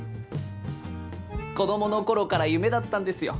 子供の頃から夢だったんですよ